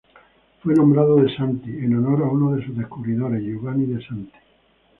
Fue nombrado De Sanctis en honor a uno de sus descubridores Giovanni de Sanctis.